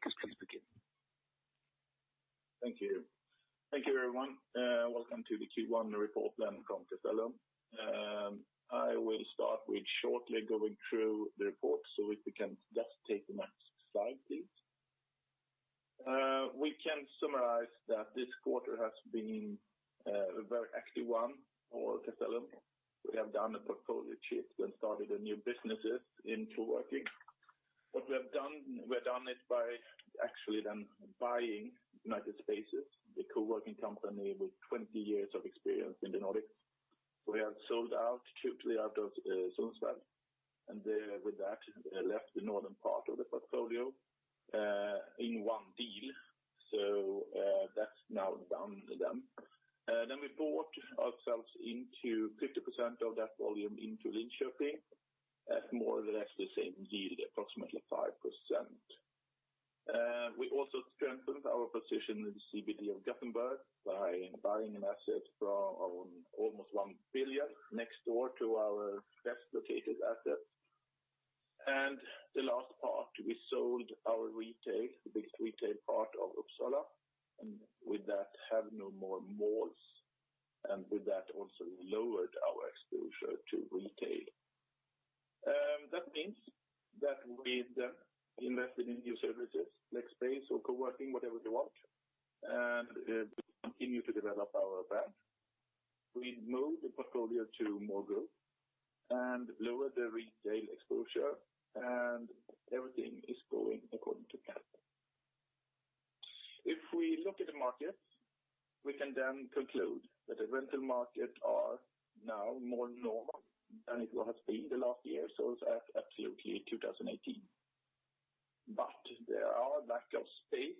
Speakers, please begin. Thank you. Thank you, everyone. Welcome to the Q1 report then from Castellum. I will start with shortly going through the report. If we can just take the next slide, please. We can summarize that this quarter has been a very active one for Castellum. We have done a portfolio shift and started new businesses in co-working. What we have done, we have done it by actually then buying United Spaces, the co-working company with 20 years of experience in the Nordics, who have sold out shortly after Sundsvall, and with that, left the northern part of the portfolio in one deal. That's now done with them. Then we bought ourselves into 50% of that volume into Linköping at more or less the same yield, approximately 5%. We also strengthened our position in the CBD of Gothenburg by buying an asset for almost 1 billion next door to our best-located asset. The last part, we sold our retail, the big retail part of Uppsala, and with that have no more malls, and with that also lowered our exposure to retail. That means that we then invested in new services like space or co-working, whatever they want, and continue to develop our brand. We moved the portfolio to more growth and lowered the retail exposure, and everything is going according to plan. If we look at the markets, we can then conclude that the rental markets are now more normal than it has been the last years, it's absolutely 2018. There are lack of space,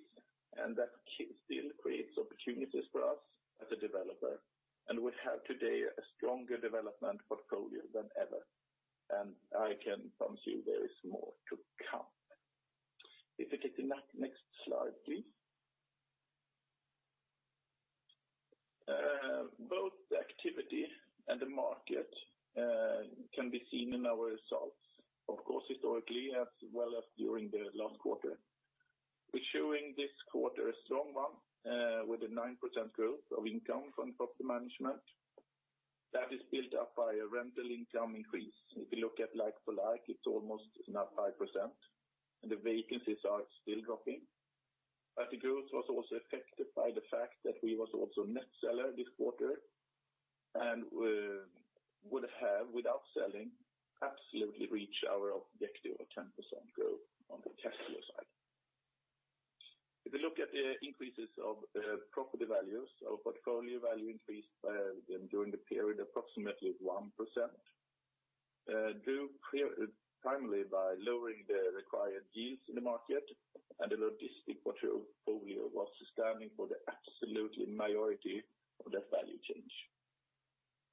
and that still creates opportunities for us as a developer. We have today a stronger development portfolio than ever, and I can promise you there is more to come. If we get the next slide, please. Both the activity and the market can be seen in our results, of course, historically as well as during the last quarter. We're showing this quarter a strong one with a 9% growth of income from property management. That is built up by a rental income increase. If you look at like-for-like, it's almost now 5%, and the vacancies are still dropping. The growth was also affected by the fact that we was also net seller this quarter, and would have, without selling, absolutely reached our objective of 10% growth on the Castellum side. If you look at the increases of property values, our portfolio value increased during the period approximately 1%, due primarily by lowering the required yields in the market, and the logistic portfolio was standing for the absolutely majority of that value change.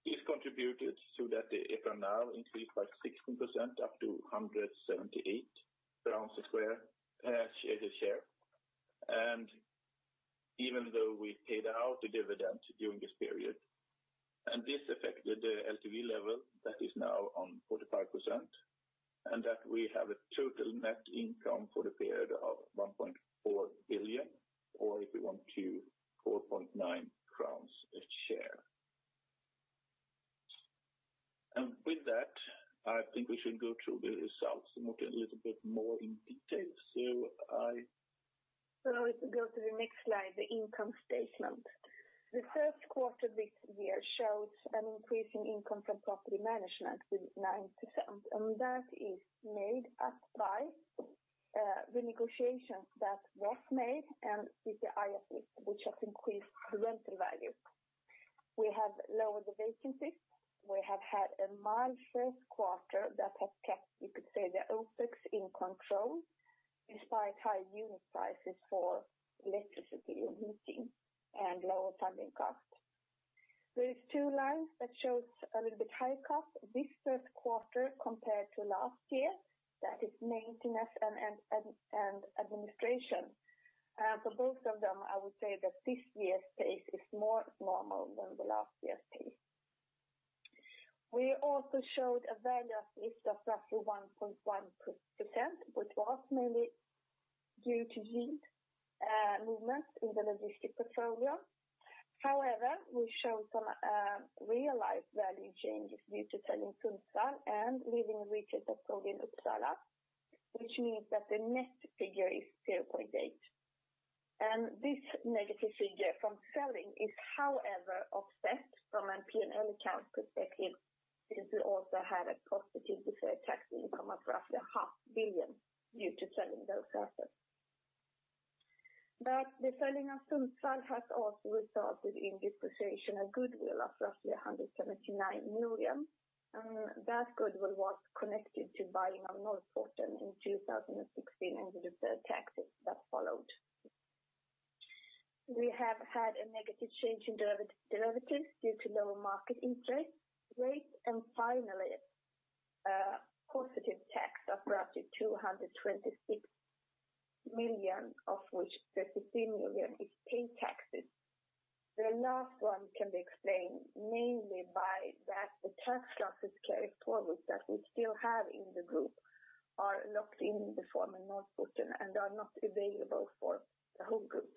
This contributed so that the EPRA NAV increased by 16% up to SEK 178 a share. Even though we paid out a dividend during this period, this affected the LTV level that is now on 45%. We have a total net income for the period of 1.4 billion or if you want to, 4.9 crowns a share. With that, I think we should go through the results and look a little bit more in detail. If we go to the next slide, the income statement. The first quarter this year shows an increase in income from property management with 9%, that is made up by the negotiations that was made and with the IFRS, which has increased the rental value. We have lowered the vacancies. We have had a mild first quarter that has kept, you could say, the OpEx in control despite high unit prices for electricity and heating and lower funding cost. There are 2 lines that show a little bit high cost this first quarter compared to last year. That is maintenance and administration. For both of them, I would say that this year's pace is more normal than the last year's pace. We also showed a value uplift of roughly 1.1%, which was mainly due to yield movement in the logistic portfolio. However, we show some realized value changes due to selling Sundsvall and leaving retail portfolio in Uppsala, which means that the net figure is 0.8. This negative figure from selling is however offset from an P&L account perspective, since we also had a positive tax income of roughly SEK a half billion due to selling those assets. The selling of Sundsvall has also resulted in depreciation of goodwill of roughly 179 million, and that goodwill was connected to buying of Norrporten in 2016 and the deferred taxes that followed. We have had a negative change in derivatives due to lower market interest rates, finally, a positive tax of roughly 226 million, of which 53 million is paid taxes. The last one can be explained mainly by that the tax losses carried forward that we still have in the group are locked in the former Nordbohusen and are not available for the whole group.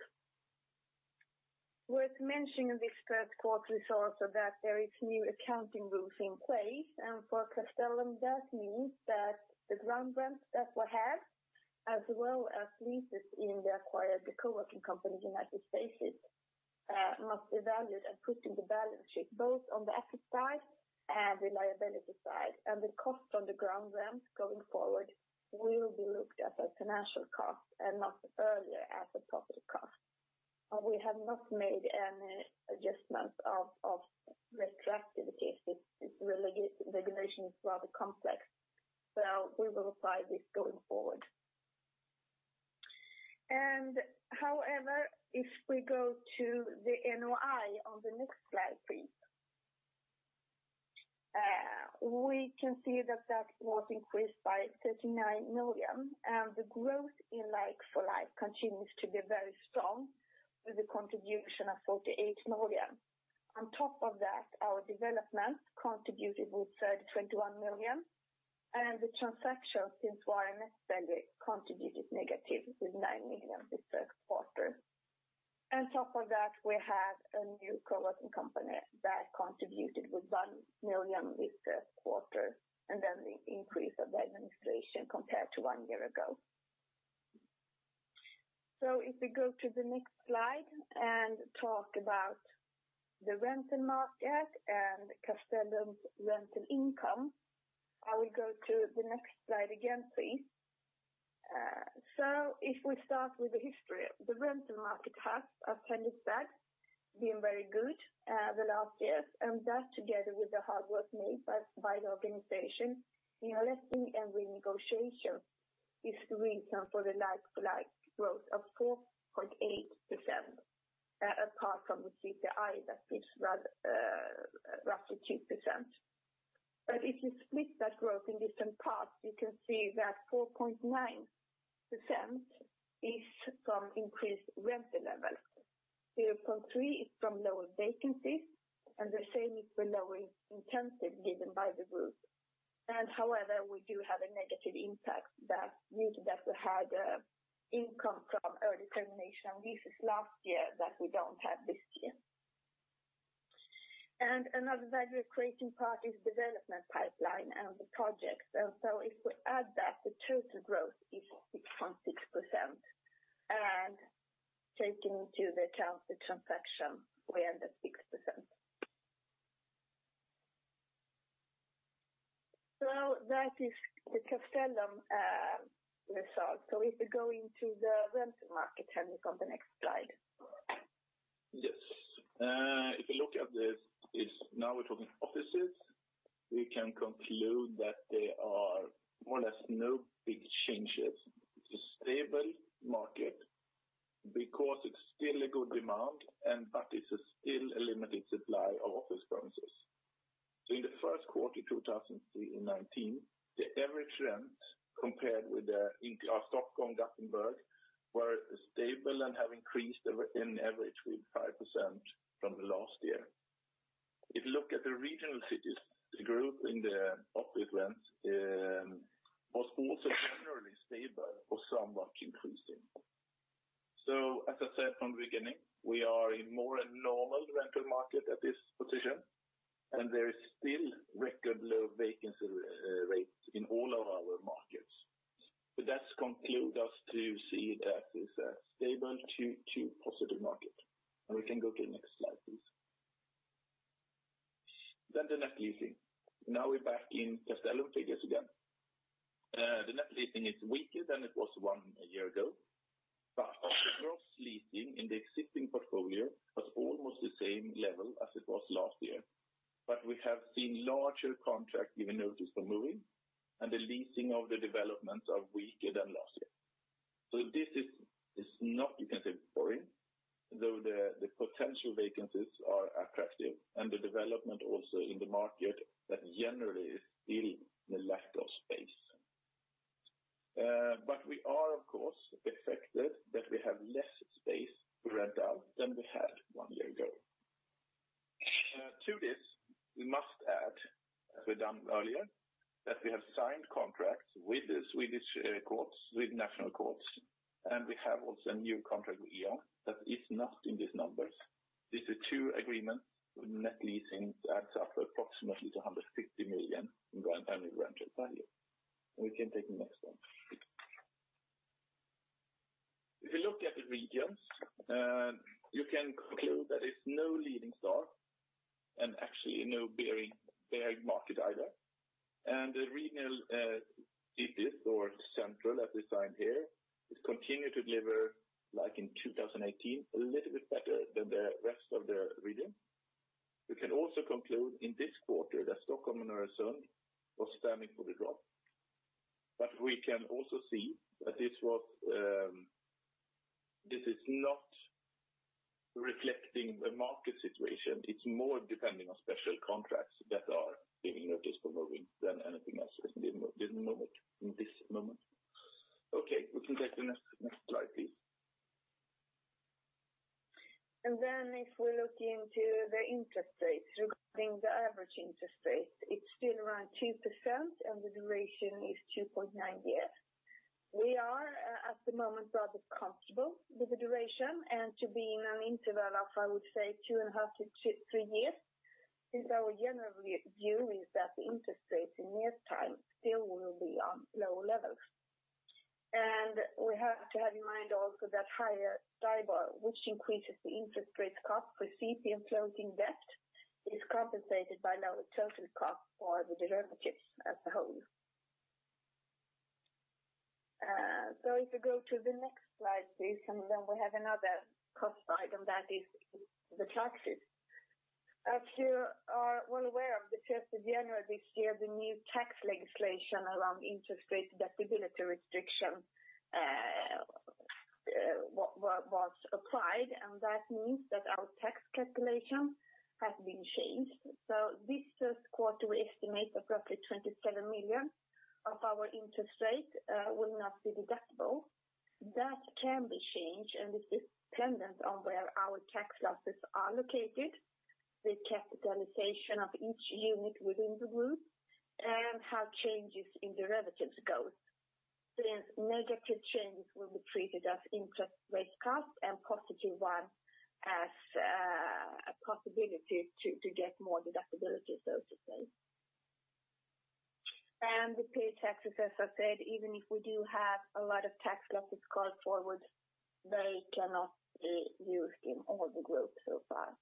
Worth mentioning in this first quarter is also that there are new accounting rules in place, and for Castellum, that means that the ground rents that we have, as well as leases in the acquired co-working company United Spaces must be valued and put in the balance sheet, both on the asset side and liability side. The cost on the ground rent going forward will be looked at as a financial cost and not earlier as a profit cost. We have not made any adjustments of retrospective cases. This regulation is rather complex. We will apply this going forward. If we go to the NOI on the next slide, please. We can see that was increased by 39 million. The growth in like-for-like continues to be very strong, with a contribution of 48 million. Our development contributed with 21 million, and the transaction since [YMS Sellgren] contributed negative with 9 million this first quarter. We have a new co-working company that contributed with 1 million this quarter, and then the increase of the administration compared to one year ago. If we go to the next slide and talk about the rental market and Castellum's rental income. I will go to the next slide again, please. If we start with the history, the rental market has, as Henrik said, been very good the last years, and that together with the hard work made by the organization in letting and renegotiation is the reason for the like-for-like growth of 4.8%, apart from the CPI that is roughly 2%. If you split that growth in different parts, you can see that 4.9% is from increased rental levels, 0.3% is from lower vacancies, and the same is for lower incentive given by the group. However, we do have a negative impact that due to that we had income from early termination leases last year that we don't have this year. Another value-creating part is development pipeline and the projects. If we add that, the total growth is 6.6%. Taking into account the transaction, we end at 6%. That is the Castellum result. If we go into the rental market, Henrik, on the next slide. Yes. If you look at this, now we're talking offices. We can conclude that there are more or less no big changes. It's a stable market because it's still a good demand, but it is still a limited supply of office premises. In the first quarter 2019, the average rent compared with Stockholm, Gothenburg were stable and have increased in average with 5% from the last year. If you look at the regional cities, the group in the office rents was also generally stable or somewhat increasing. As I said from the beginning, we are in more a normal rental market at this position, and there is still record low vacancy rates in all of our markets. That conclude us to see that it's a stable to positive market. We can go to the next slide, please. Then the net leasing. We're back in Castellum figures again. The net leasing is weaker than it was one year ago, the gross leasing in the existing portfolio was almost the same level as it was last year. We have seen larger contract given notice for moving, and the leasing of the developments are weaker than last year. This is not because of [COVID]. The potential vacancies are attractive and the development also in the market that generally is still in the lack of space. We are, of course, affected that we have less space to rent out than we had one year ago. To this, we must add, as we done earlier, that we have signed contracts with the Swedish courts, with national courts, and we have also a new contract with E.ON that is not in these numbers. These are two agreements with net leasing that adds up approximately to 150 million in current annual rental value. We can take the next one. If you look at the regions, you can conclude that it's no leading star and actually no bear market either. The regional EPIS, or Central, as we see here, it continue to deliver, like in 2018, a little bit better than the rest of the region. We can also conclude in this quarter that Stockholm and Öresund was standing for the drop. We can also see that this is not reflecting the market situation. It's more depending on special contracts that are giving notice for moving than anything else at this moment. Okay, we can take the next slide, please. If we look into the interest rates, regarding the average interest rate, it's still around 2% and the duration is 2.9 years. We are, at the moment, rather comfortable with the duration and to be in an interval of, I would say, 2.5-3 years, since our general view is that the interest rates in near time still will be on lower levels. We have to have in mind also that higher STIBOR, which increases the interest rate cost for CP and floating debt, is compensated by lower total cost for the derivatives as a whole. If you go to the next slide, please, we have another cost item, that is the taxes. As you are well aware of, the 1st of January this year, the new tax legislation around interest rates deductibility restriction was applied, and that means that our tax calculation has been changed. This first quarter, we estimate approximately 27 million of our interest will not be deductible. That can be changed, and it is dependent on where our tax losses are located, the capitalization of each unit within the group, and how changes in derivatives goes. Negative changes will be treated as interest rate cost and positive one as a possibility to get more deductibility, so to say. The paid taxes, as I said, even if we do have a lot of tax losses carried forward, they cannot be used in all the group so far.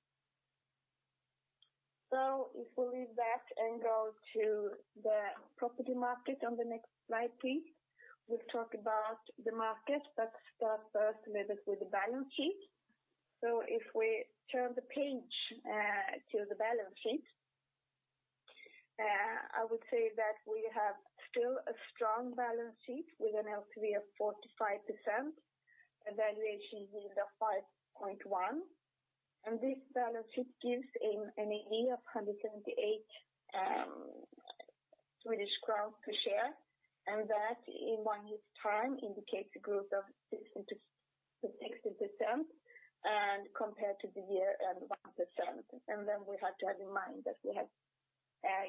If we leave that and go to the property market on the next slide, please. We'll talk about the market, but start first a little bit with the balance sheet. If we turn the page to the balance sheet. I would say that we have still a strong balance sheet with an LTV of 45%, a valuation yield of 5.1. This balance sheet gives an NAV of 178 Swedish crowns per share, and that in one year's time indicates a growth of 60% and compared to the year, 1%. We have to have in mind that we have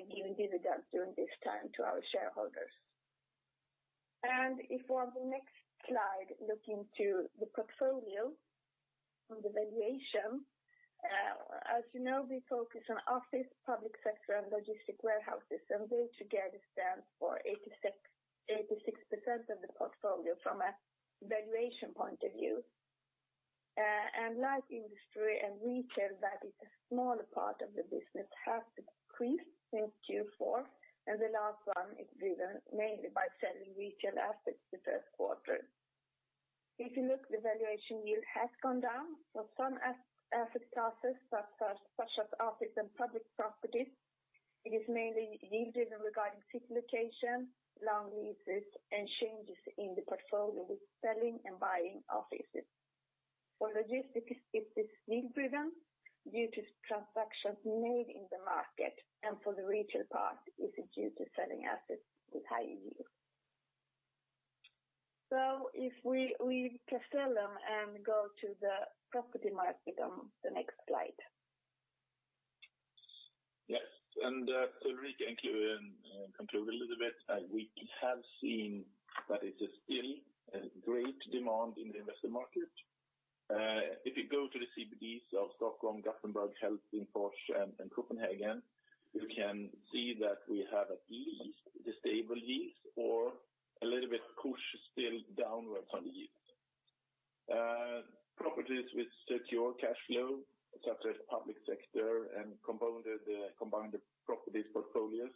given dividends during this time to our shareholders. If we on the next slide, look into the portfolio from the valuation. As you know, we focus on office, public sector, and logistics warehouses, and they together stand for 86% of the portfolio from a valuation point of view. Light industry and retail, that is a smaller part of the business, has decreased since Q4, and the last one is driven mainly by selling retail assets the first quarter. If you look, the valuation yield has gone down. Some assets classes, such as office and public properties, it is mainly yield driven regarding city location, long leases, and changes in the portfolio with selling and buying offices. For logistics, it is need-driven due to transactions made in the market, and for the retail part, it is due to selling assets with high yield. If we leave Castellum and go to the property market on the next slide. Yes. Ulrika can you come a little bit, we have seen that it is still a great demand in the investor market. If you go to the CBDs of Stockholm, Gothenburg, Helsinki, and Copenhagen, you can see that we have at least the stable yields or a little bit push still downwards on the yields. Properties with secure cash flow, such as public sector and combined properties portfolios,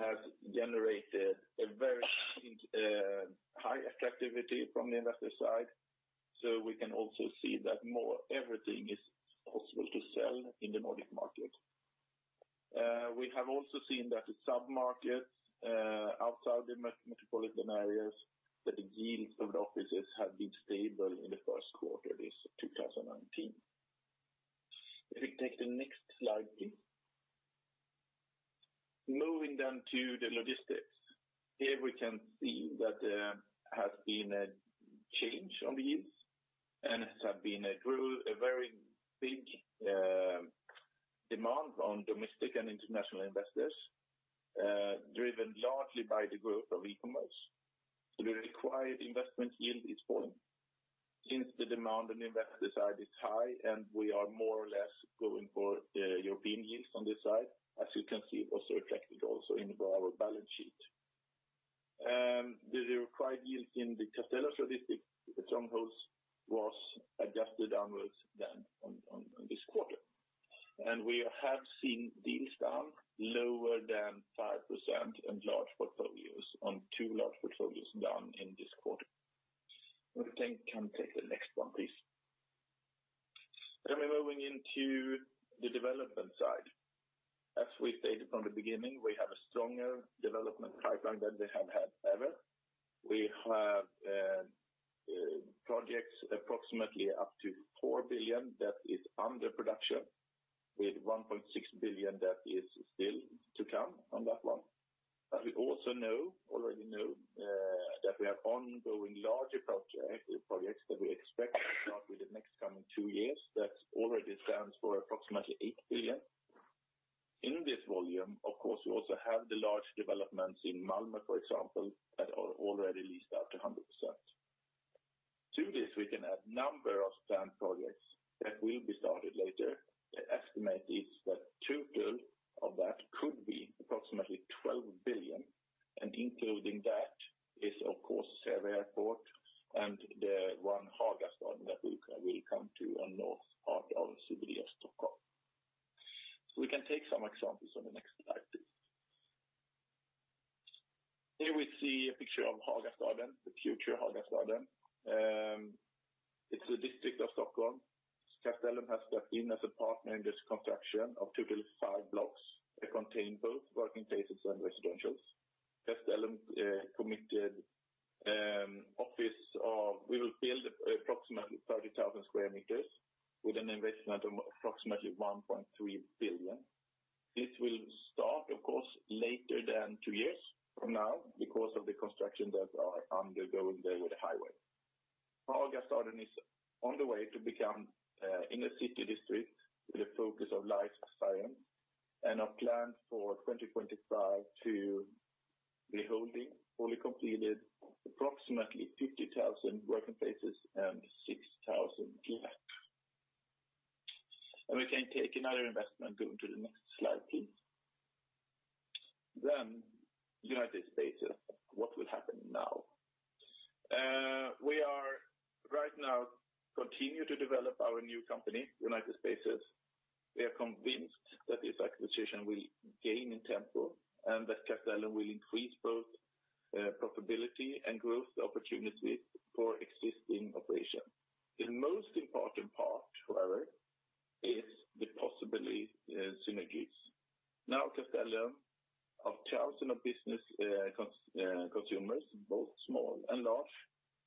have generated a very high attractivity from the investor side. We can also see that more everything is possible to sell in the Nordic market. We have also seen that the sub-markets outside the metropolitan areas, that the yields of the offices have been stable in the first quarter this 2019. If we take the next slide, please. Moving down to the logistics. Here we can see that there has been a change on the yields and has been a very big demand on domestic and international investors, driven largely by the growth of e-commerce. The required investment yield is falling. Since the demand on the investor side is high, and we are more or less going for European yields on this side, as you can see, it also reflected also in our balance sheet. The required yield in the Castellum logistics tranches was adjusted downwards then on this quarter. We have seen deals done lower than 5% in large portfolios on two large portfolios done in this quarter. Ulrika, you can take the next one, please. We're moving into the development side. As we stated from the beginning, we have a stronger development pipeline than we have had ever. Projects approximately up to 4 billion that is under production with 1.6 billion that is still to come on that one. We also already know that we have ongoing larger projects that we expect to start within next coming two years that already stands for approximately 8 billion. In this volume, of course, we also have the large developments in Malmo, for example, that are already leased out to 100%. To this, we can add number of planned projects that will be started later. The estimate is that total of that could be approximately 12 billion and including that is of course, Säve Airport and the one Hagastaden that we will come to on north part of Stockholm. We can take some examples on the next slide, please. Here we see a picture of Hagastaden, the future Hagastaden. It's a district of Stockholm. Castellum has stepped in as a partner in this construction of total five blocks. They contain both working places and residentials. Castellum committed office of we will build approximately 30,000 sq m with an investment of approximately 1.3 billion. This will start of course later than two years from now because of the construction that are undergoing there with the highway. Hagastaden is on the way to become inner city district with a focus of life science and are planned for 2025 to be holding fully completed approximately 50,000 working places and 6,000 lives. We can take another investment going to the next slide, please. United Spaces. What will happen now? We are right now continue to develop our new company, United Spaces. We are convinced that this acquisition will gain in tempo and that Castellum will increase both profitability and growth opportunities for existing operations. The most important part, however, is the possibility synergies. Now Castellum have thousands of business consumers, both small and large,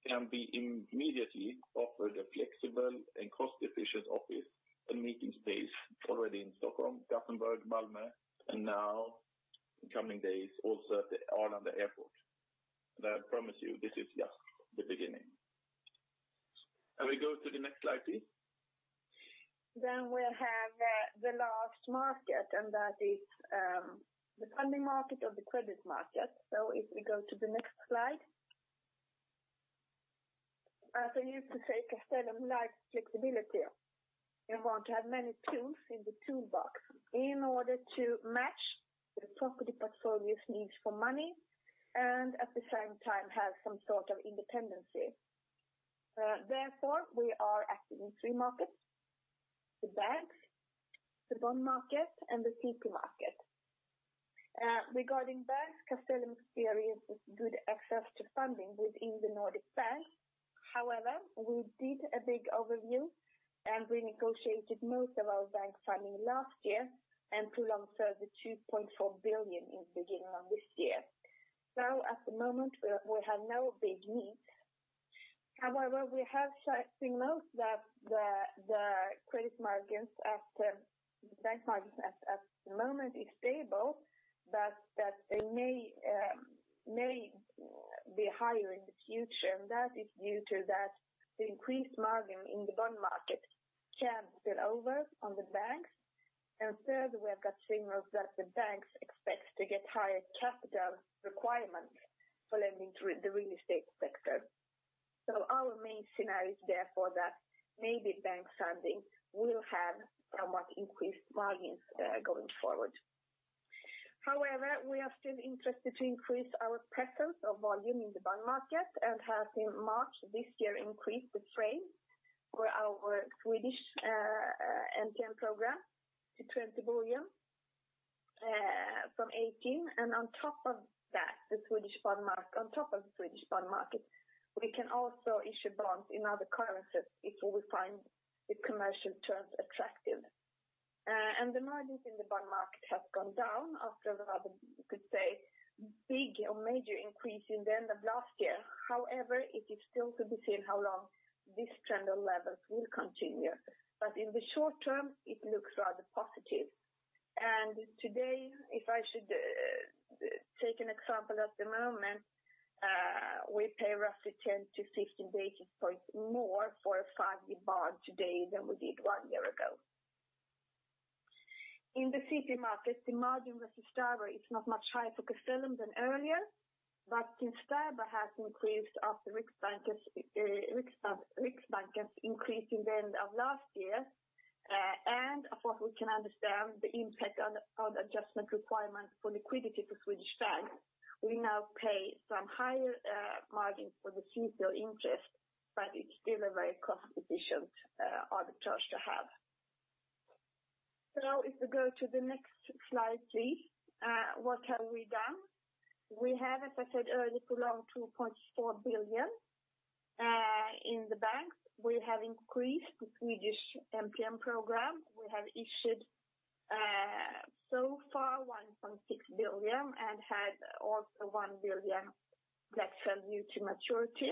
can be immediately offered a flexible and cost-efficient office and meeting space already in Stockholm, Gothenburg, Malmo, and now in coming days also at the Arlanda Airport. I promise you, this is just the beginning. Can we go to the next slide, please? We have the last market, and that is the funding market or the credit market. If we go to the next slide. As I used to say, Castellum likes flexibility. You want to have many tools in the toolbox in order to match the property portfolio's needs for money, and at the same time have some sort of independency. Therefore, we are active in three markets, the banks, the bond market, and the CP market. Regarding banks, Castellum experiences good access to funding within the Nordic banks. However, we did a big overview and renegotiated most of our bank funding last year and prolonged 2.4 billion in the beginning of this year. At the moment we have no big needs. We have signals that the bank margins at the moment is stable, but that they may be higher in the future, and that is due to that the increased margin in the bond market can spill over on the banks. Third, we have got signals that the banks expect to get higher capital requirements for lending to the real estate sector. Our main scenario is therefore that maybe bank funding will have somewhat increased margins, going forward. We are still interested to increase our presence or volume in the bond market and have in March this year increased the frame for our Swedish MTN program to 20 billion from 18 billion. On top of the Swedish bond market, we can also issue bonds in other currencies if we find the commercial terms attractive. The margins in the bond market have gone down after you could say big or major increase in the end of last year. It is still to be seen how long this trend of levels will continue. In the short term, it looks rather positive. Today, if I should take an example at the moment, we pay roughly 10 to 15 basis points more for a five-year bond today than we did one year ago. In the CP market, the margin with STIBOR is not much higher for Castellum than earlier, but since STIBOR has increased after Riksbanken increase in the end of last year, and of course we can understand the impact on the adjustment requirement for liquidity for Swedish banks. We now pay some higher margins for the CP interest, but it is still a very cost-efficient arbitrage to have. If we go to the next slide, please. What have we done? We have, as I said earlier, prolonged 2.4 billion, in the banks. We have increased the Swedish MTN program. So far, 1.6 billion and had also 1 billion that fell due to maturity.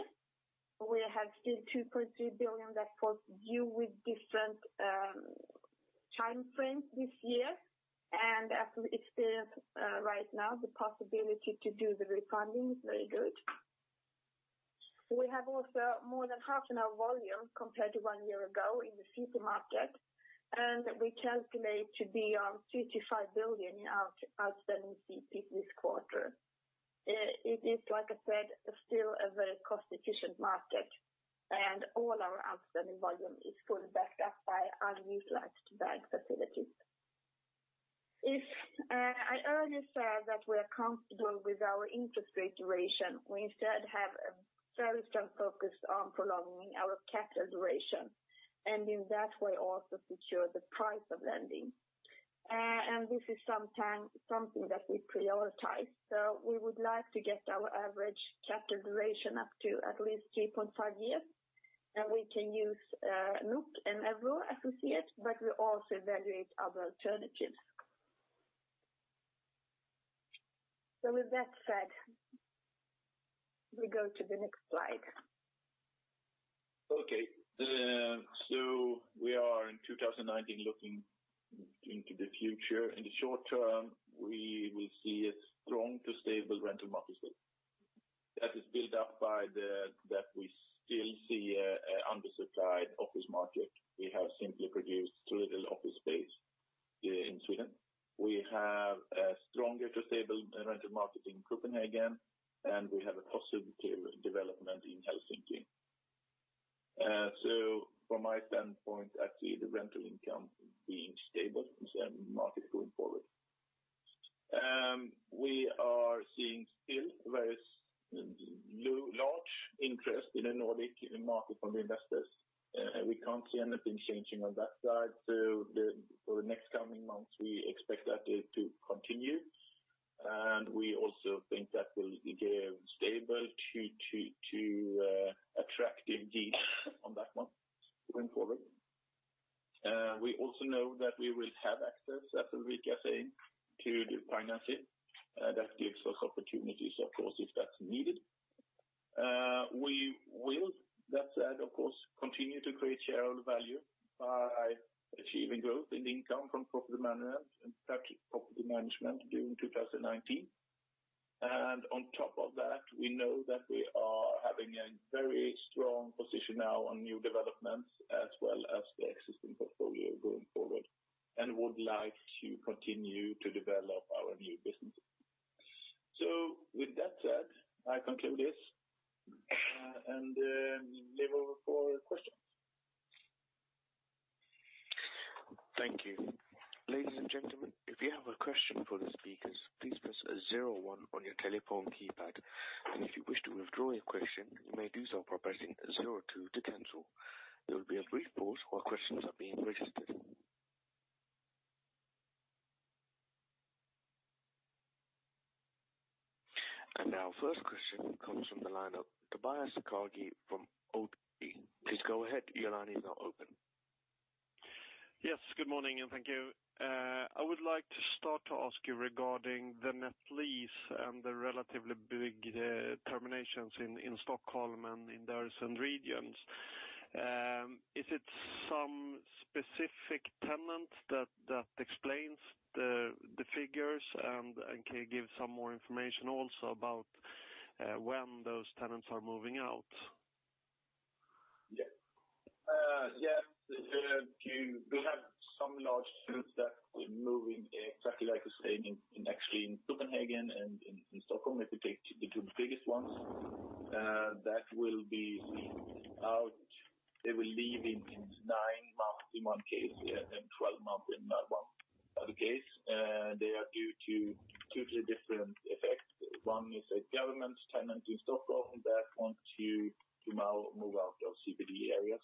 We have still 2.3 billion that falls due with different time frames this year. As we experience right now, the possibility to do the refunding is very good. We have also more than half in our volume compared to one year ago in the CP market, and we calculate to be on 3.5 billion in outstanding CPs this quarter. It is, like I said, still a very cost-efficient market, and all our outstanding volume is fully backed up by unutilized bank facilities. I earlier said that we are comfortable with our interest rate duration. We instead have a very strong focus on prolonging our capital duration, and in that way also secure the price of lending. This is something that we prioritize. We would like to get our average capital duration up to at least 3.5 years, and we can use NOK and Euro as we see it, but we also evaluate other alternatives. With that said, we go to the next slide. We are in 2019, looking into the future. In the short-term, we will see a strong to stable rental market. That is built up by that we still see an undersupplied office market. We have simply produced too little office space here in Sweden. We have a stronger to stable rental market in Copenhagen, and we have a positive development in Helsinki. From my standpoint, I see the rental income being stable current market going forward. We are seeing still very large interest in the Nordic market from the investors. We cannot see anything changing on that side. For the next coming months, we expect that to continue, and we also think that we will be stable to attractive deals on that one going forward. We also know that we will have access, as Ulrika is saying, to the financing. That gives us opportunities, of course, if that's needed. We will, that said, of course, continue to create shareholder value by achieving growth in income from property management during 2019. On top of that, we know that we are having a very strong position now on new developments as well as the existing portfolio going forward, and would like to continue to develop our new businesses. With that said, I conclude this and hand over for questions. Thank you. Ladies and gentlemen, if you have a question for the speakers, please press 01 on your telephone keypad. If you wish to withdraw your question, you may do so by pressing 02 to cancel. There will be a brief pause while questions are being registered. Our first question comes from the line of Tobias Kaj from ODIN. Please go ahead. Your line is now open. Yes, good morning, and thank you. I would like to start to ask you regarding the net leasing and the relatively big terminations in Stockholm and in the regions. Is it some specific tenant that explains the figures? Can you give some more information also about when those tenants are moving out? Yeah. We have some large tenants that we're moving, exactly like you're saying, actually in Copenhagen and in Stockholm, if we take the two biggest ones. That will be leased out. They will leave in nine months in one case and 12 months in another case. They are due to two different effects. One is a government tenant in Stockholm that want to now move out of CBD areas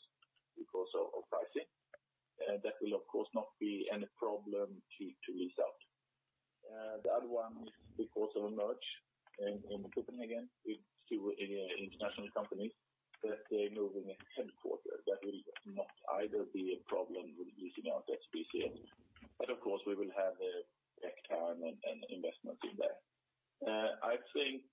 because of pricing. That will, of course, not be any problem to lease out. The other one is because of a merge in Copenhagen with two international companies that they're moving headquarters. That will not either be a problem with leasing out that space here. Of course, we will have a back time and investments in there. I think,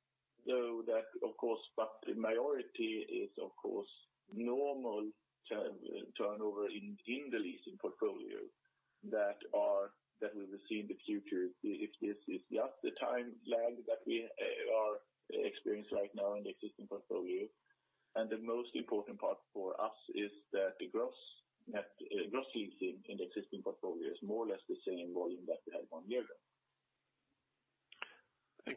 though that, of course, the majority is, of course, normal turnover in the leasing portfolio that we will see in the future if this is just the time lag that we are experiencing right now in the existing portfolio. The most important part for us is that the gross leasing in the existing portfolio is more or less the same volume that we had one year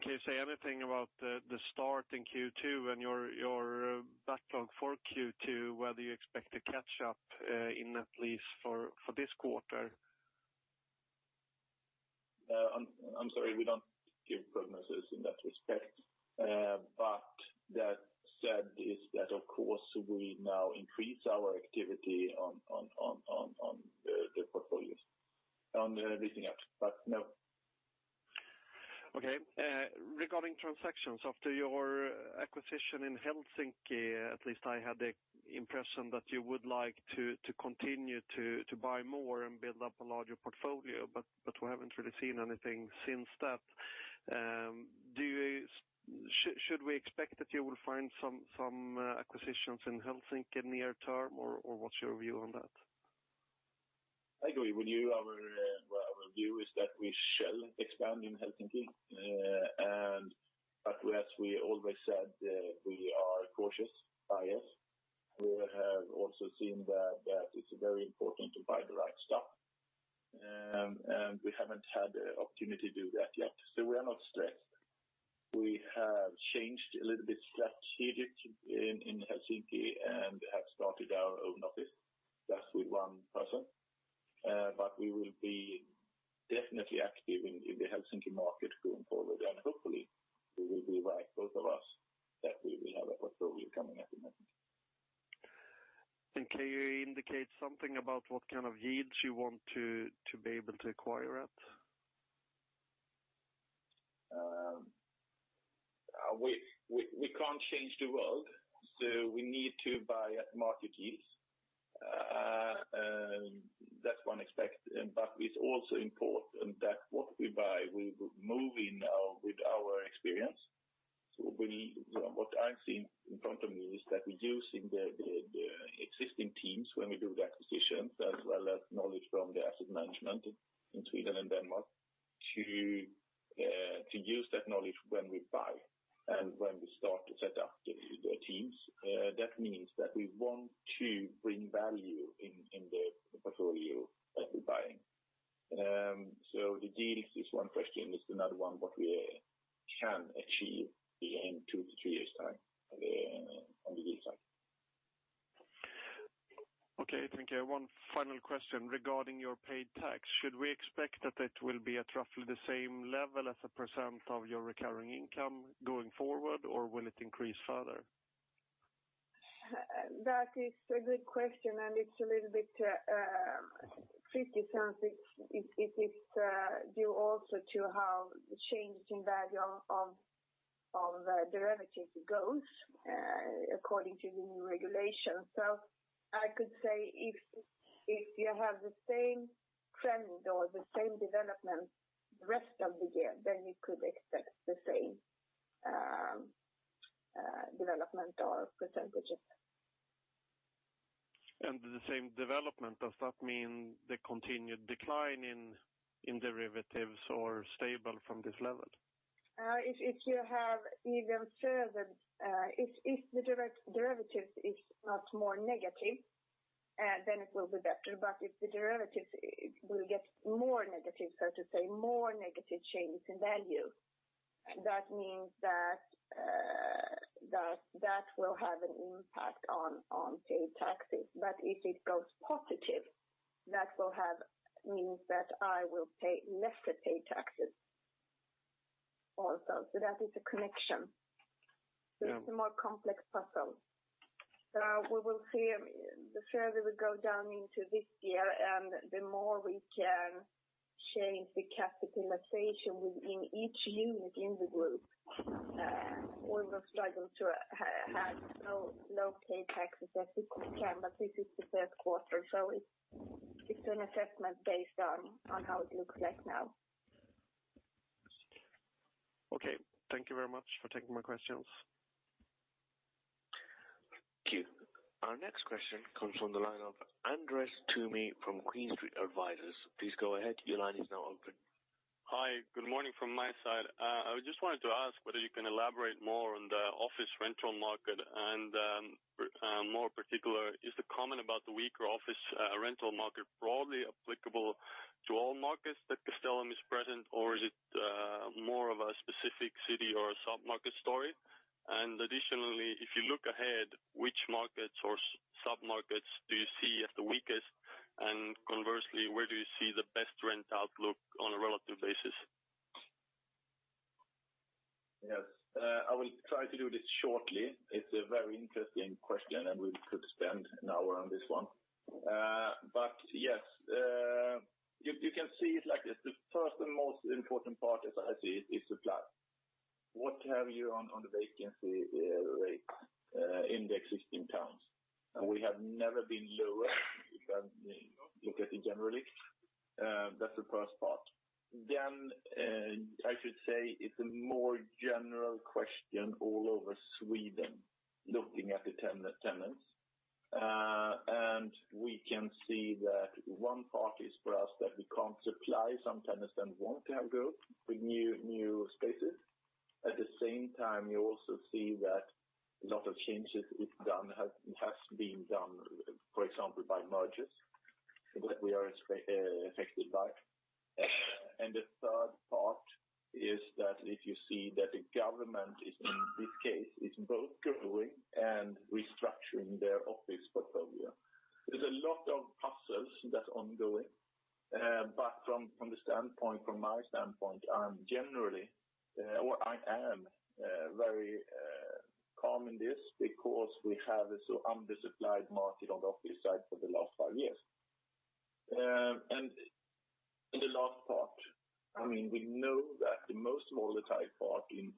ago. Can you say anything about the start in Q2 and your backlog for Q2, whether you expect to catch up in net leasing for this quarter? I'm sorry. We don't give prognosis in that respect. That said, is that of course, we now increase our activity on the portfolios, on the leasing activity. Okay. Regarding transactions, after your acquisition in Helsinki, at least I had the impression that you would like to continue to buy more and build up a larger portfolio. We haven't really seen anything since that. Should we expect that you will find some acquisitions in Helsinki near term, or what's your view on that? I agree with you. Our view is that we shall expand in Helsinki. As we always said, we are cautious buyers. We have also seen that it's very important to buy the right stuff, and we haven't had the opportunity to do that yet. We are not stressed. We have changed a little bit strategically in Helsinki and have started our own office just with one person. We will be definitely active in the Helsinki market going forward, and hopefully we will be right, both of us, that we will have a portfolio coming up in Helsinki. Can you indicate something about what kind of yields you want to be able to acquire at? We can't change the world. We need to buy at market yields. That's one aspect. It's also important that what we buy will move in with our experience. What I've seen in front of me is that we're using the existing teams when we do the acquisitions, as well as knowledge from the asset management in Sweden and Denmark to use that knowledge when we buy and when we start to set up the teams. That means that we want to bring value in the portfolio that we're buying. The deals is one question, is another one what we can achieve in two to three years time on the deal side. Okay, thank you. One final question regarding your paid tax. Should we expect that it will be at roughly the same level as a % of your recurring income going forward, or will it increase further? That is a good question, it's a little bit tricky since it is due also to how the change in value of derivatives goes according to the new regulation. I could say if you have the same trend or the same development rest of the year, then you could expect the same development or %. The same development, does that mean the continued decline in derivatives or stable from this level? If the derivatives is not more negative, then it will be better. If the derivatives will get more negative, so to say, more negative changes in value, that means that will have an impact on paid taxes. If it goes positive, that will mean that I will pay lesser paid taxes also. That is a connection. Yeah. It's a more complex puzzle. We will see the further we go down into this year, the more we can change the capitalization within each unit in the group. We will struggle to have low paid taxes as we can, this is the third quarter. It's an assessment based on how it looks like now. Okay. Thank you very much for taking my questions. Thank you. Our next question comes from the line of Andres Tumi from Green Street Advisors. Please go ahead. Your line is now open. Hi, good morning from my side. I just wanted to ask whether you can elaborate more on the office rental market, more particular, is the comment about the weaker office rental market broadly applicable to all markets that Castellum is present, or is it more of a specific city or a sub-market story? Additionally, if you look ahead, which markets or sub-markets do you see as the weakest? Conversely, where do you see the best rent outlook on a relative basis? Yes. I will try to do this shortly. It's a very interesting question, and we could spend an hour on this one. Yes, you can see it like the first and most important part as I see it is supply. What have you on the vacancy rate in the existing towns? We have never been lower if you look at it generally. That's the first part. I should say it's a more general question all over Sweden looking at the tenants. We can see that one part is for us that we can't supply some tenants then won't have growth with new spaces. At the same time, you also see that a lot of changes has been done, for example, by mergers that we are affected by. The third part is that if you see that the government is in this case, it's both growing and restructuring their office portfolio. There's a lot of puzzles that's ongoing. From my standpoint, I'm generally, or I am very calm in this because we have this undersupplied market on the office side for the last five years. In the last part, we know that the most volatile part in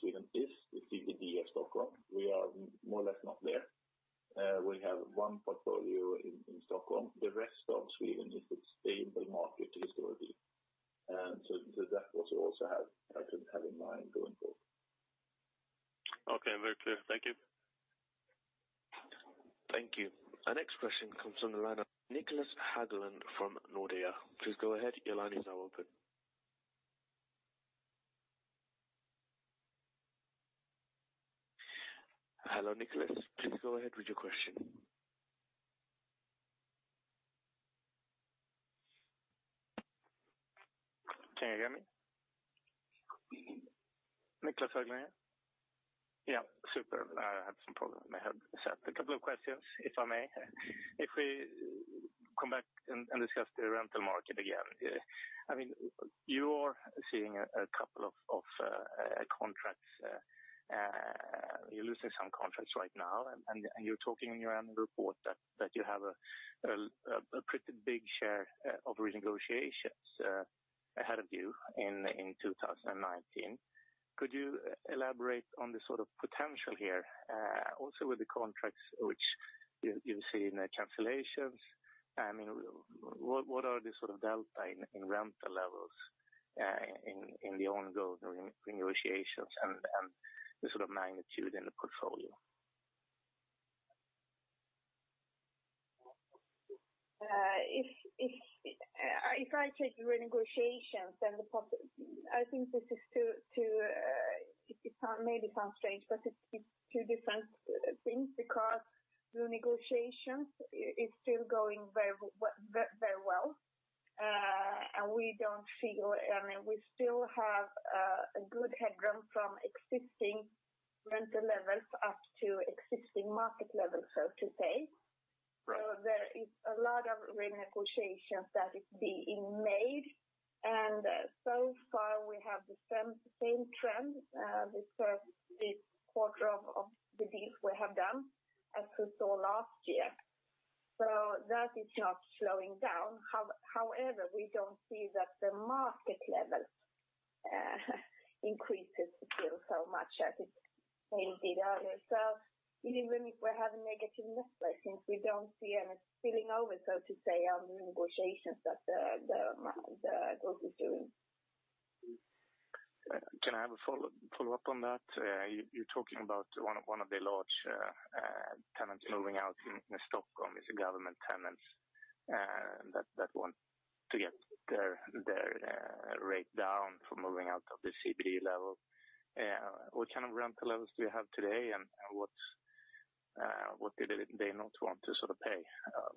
Sweden is the CBD of Stockholm. We are more or less not there. We have one portfolio in Stockholm. The rest of Sweden is a stable market historically. That was also what I have in mind going forward. Okay. Very clear. Thank you. Thank you. Our next question comes from the line of Niklas Hageback from Nordea. Please go ahead. Your line is now open. Hello, Niklas. Please go ahead with your question. Can you hear me? Niklas Hageback here. Yeah, super. I had some problem. I had a couple of questions, if I may. If we come back and discuss the rental market again. You are seeing a couple of contracts. You're losing some contracts right now, and you're talking in your annual report that you have a pretty big share of renegotiations ahead of you in 2019. Could you elaborate on the potential here? Also with the contracts which you see in the cancellations. What are the delta in rental levels in the ongoing renegotiations and the magnitude in the portfolio? If I take the renegotiations, it may sound strange, but it's two different things because the negotiations is still going very well. We still have a good headroom from existing rental levels up to existing market levels, so to say. Right. There is a lot of renegotiations that is being made, and so far we have the same trend this first quarter of the deals we have done as we saw last year. That is not slowing down. However, we don't see that the market level increases still so much as it maybe did earlier. Even if we're having negative news since we don't see any spilling over, so to say, on the negotiations that the group is doing. Can I have a follow-up on that? You're talking about one of the large tenants moving out in Stockholm is a government tenant that want to get their rate down for moving out of the CBD level. What kind of rental levels do you have today, and what did they not want to pay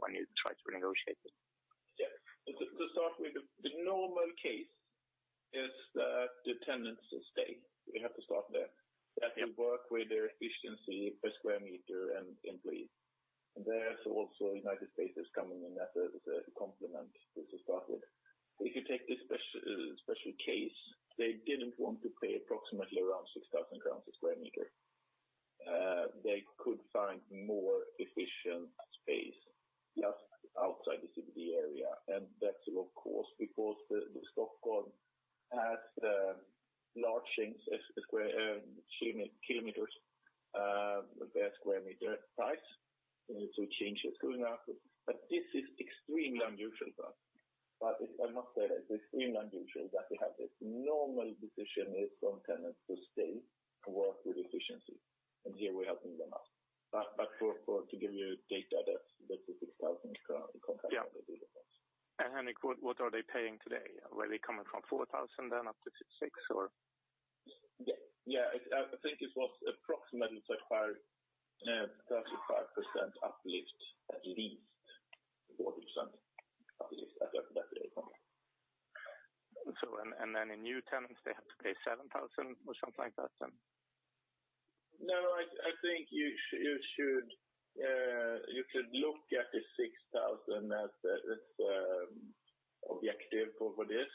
when you tried to renegotiate it? Yeah. To start with, the normal case is that the tenants stay. We have to start there. Yeah. That we work with their efficiency per square meter and lease. There also United Spaces coming in as a complement to start with. If you take this special case, they didn't want to pay approximately around 6,000 crowns a square meter. They could find more efficient space just outside the CBD area. That's of course because Stockholm has the large change of square kilometers with their square meter price to change it. This is extremely unusual for us. I must say that it's extremely unusual that we have this. Normal decision is from tenants to stay to work with efficiency, and here we helping them out. To give you data, that's the SEK 6,000 in comparison with the difference. Henrik, what are they paying today? Were they coming from 4,000 then up to six or? Yeah. I think it was approximately 35% uplift at least. 40% uplift. I think that's where it comes from. In new tenants, they have to pay 7,000 or something like that then? No. I think you should look at the 6,000 as objective over this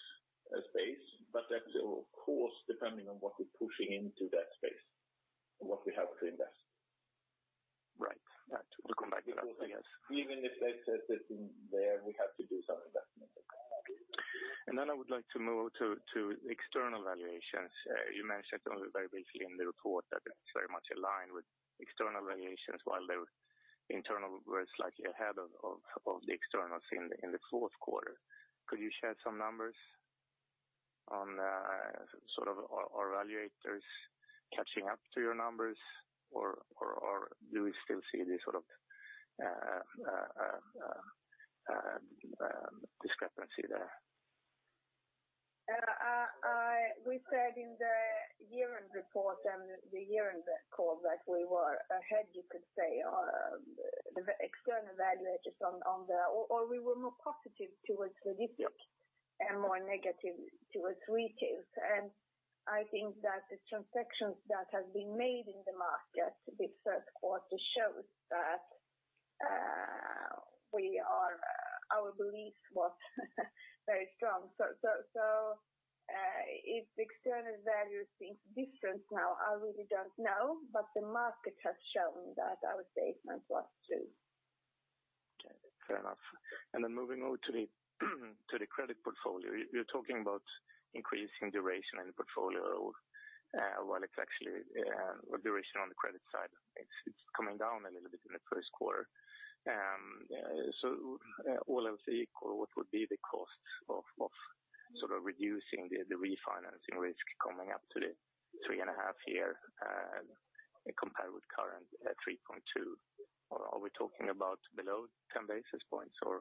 space, that is of course depending on what we're pushing into that space and what we have to invest. Right. To go back to that, I guess. Even if they sit in there, we have to do some investment. I would like to move to external valuations. You mentioned only very briefly in the report that it's very much aligned with external valuations while the internal were slightly ahead of the externals in the fourth quarter. Could you share some numbers on our valuators catching up to your numbers or do we still see this discrepancy there? We said in the year-end report and the year-end call that we were ahead, you could say, on the external valuators. Or we were more positive towards logistics and more negative towards retail. I think that the transactions that have been made in the market this first quarter shows that our belief was very strong. If external values think different now, I really don't know, but the market has shown that our statement was true. Okay, fair enough. Moving over to the credit portfolio. You're talking about increasing duration in the portfolio, while it's actually duration on the credit side. It's coming down a little bit in the first quarter. All else equal, what would be the cost of sort of reducing the refinancing risk coming up to the 3.5 year compared with current 3.2? Are we talking about below 10 basis points or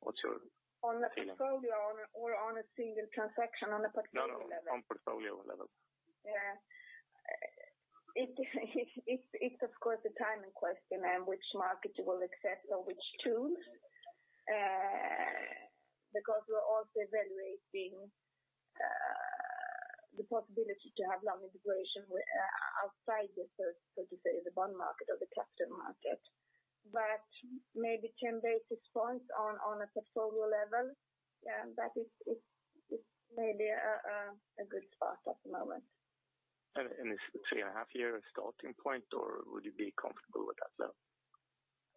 what's your opinion? On the portfolio or on a single transaction on a particular level? No. On portfolio level. Yeah. It's of course a timing question and which market you will accept or which tools because we're also evaluating the possibility to have long integration outside the bond market or the capital market. Maybe 10 basis points on a portfolio level. Yeah. That is maybe a good spot at the moment. Is three and a half year a starting point or would you be comfortable with that level?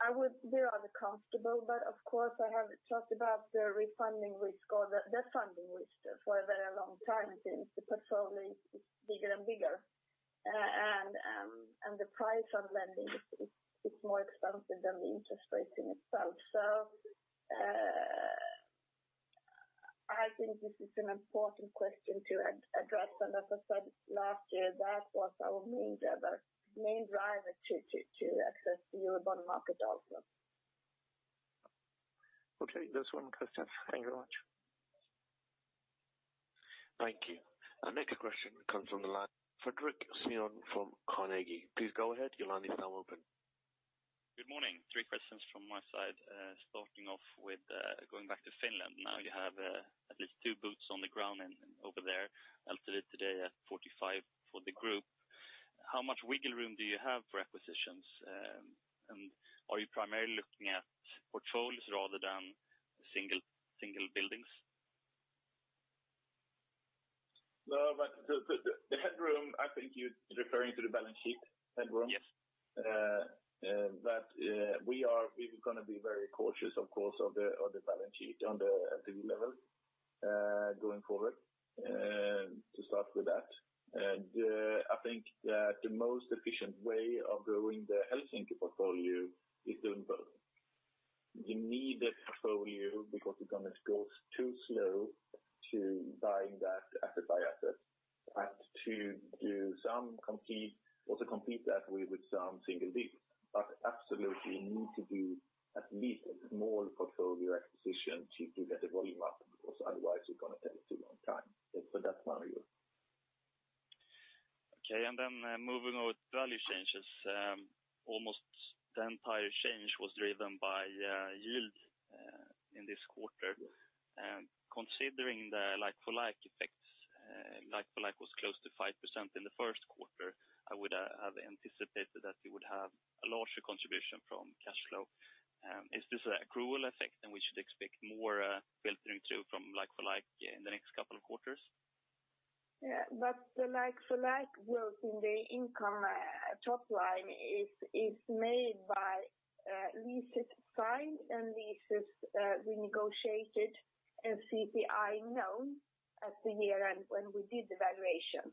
I would be rather comfortable, of course, I have talked about the refunding risk or the funding risk for a very long time since the portfolio is bigger and bigger. The price on lending is more expensive than the interest rates in itself. I think this is an important question to address. As I said last year, that was our main driver to access the Euro bond market also. Okay. Just one question. Thank you very much. Thank you. Our next question comes from the line, Fredrik Stensved from Carnegie. Please go ahead. Your line is now open. Good morning. Three questions from my side. Starting off with going back to Finland. Now you have at least two boots on the ground over there. Today at 45 for the group. How much wiggle room do you have for acquisitions? Are you primarily looking at portfolios rather than single buildings? No, the headroom, I think you're referring to the balance sheet headroom. Yes. We are going to be very cautious, of course, of the balance sheet on the level going forward. To start with that. I think that the most efficient way of doing the Helsinki portfolio is doing both. You need a portfolio because it going to go too slow to buying that asset by asset and to do some compete, also compete that way with some single deal. Absolutely, you need to do at least a small portfolio acquisition to get the volume up because otherwise it's going to take too long time. That's one view. Okay. Then moving on with value changes. Almost the entire change was driven by yield in this quarter. Considering the like-for-like effects, like-for-like was close to 5% in the first quarter. I would have anticipated that you would have a larger contribution from cash flow. Is this an accrual effect and we should expect more filtering through from like-for-like in the next couple of quarters? Yeah. The like-for-like growth in the income top line is made by leases signed and leases renegotiated and CPI known at the year-end when we did the valuation.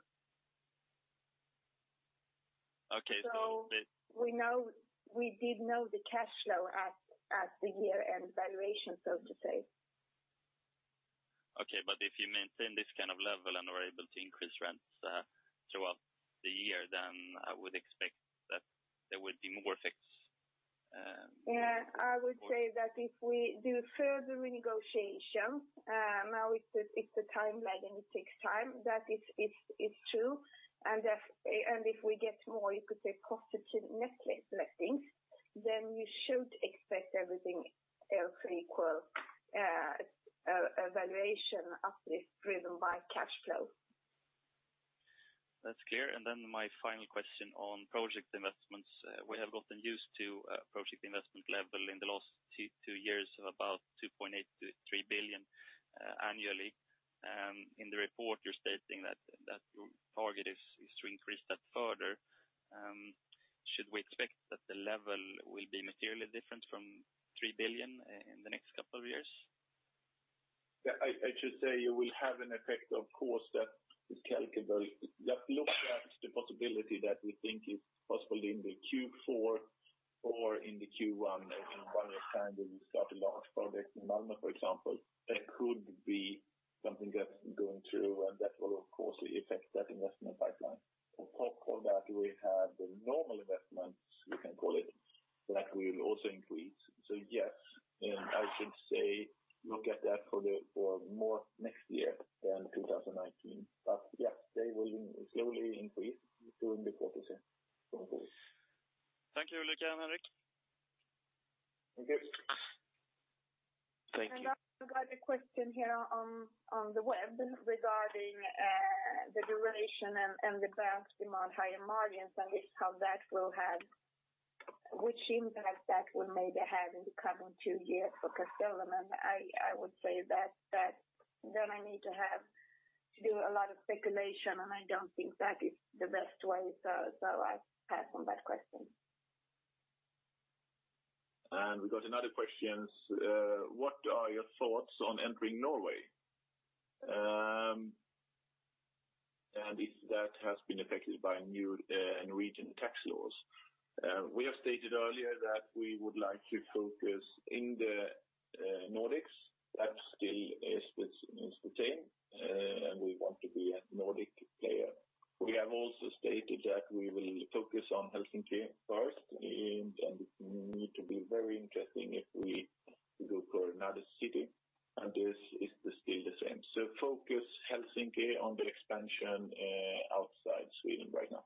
Okay. We did know the cash flow at the year-end valuation, so to say. Okay. If you maintain this kind of level and are able to increase rents throughout the year, then I would expect that there would be more effects. Yeah, I would say that if we do further renegotiation, now it's a time lag and it takes time. That is true. If we get more, you could say positive net leasing, then you should expect everything else equal valuation uplift driven by cash flow. That's clear. Then my final question on project investments. We have gotten used to project investment level in the last two years of about 2.8 billion-3 billion annually. In the report, you're stating that your target is to increase that further. Should we expect that the level will be materially different from 3 billion in the next couple of years? Yeah, I should say you will have an effect, of course, that is calculable. Just look at the possibility that we think is possible in the Q4 or in the Q1 in one time when we start a large project in Malmo, for example. That could be something that's going through and that will of course affect that investment pipeline. On top of that, we have the normal investments you can call it, that will also increase. Yes, I should say look at that for more next year than 2019. Yes, they will slowly increase during the quarter from August. Thank you. Thank you again, Henrik. Thank you. I've got a question here on the web regarding the duration and the banks demand higher margins, and which impact that will maybe have in the coming two years for Castellum. I would say that then I need to do a lot of speculation, and I don't think that is the best way. I pass on that question. We got another question. What are your thoughts on entering Norway? If that has been affected by new Norwegian tax laws. We have stated earlier that we would like to focus in the Nordics. That still is the same. We want to be a Nordic player. We have also stated that we will focus on Helsinki first. It need to be very interesting if we go for another city, and this is still the same. Focus Helsinki on the expansion outside Sweden right now.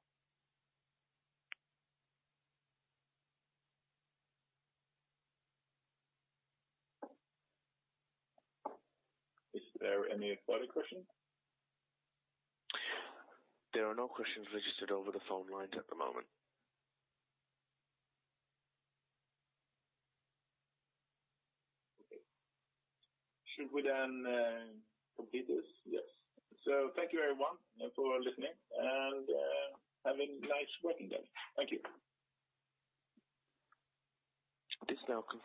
Is there any further questions? There are no questions registered over the phone lines at the moment. Okay. Should we complete this? Yes. Thank you everyone for listening and have a nice working day. Thank you. This now concludes